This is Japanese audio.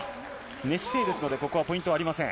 寝姿勢ですので、ここはポイントありません。